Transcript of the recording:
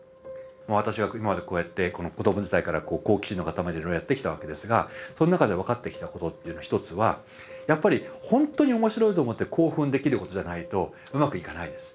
私が今までこうやって子ども時代から好奇心の塊でいろいろやってきたわけですがその中で分かってきたことっていうのは一つはやっぱりほんとに面白いと思って興奮できることじゃないとうまくいかないです。